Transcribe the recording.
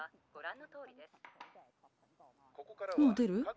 もう出る？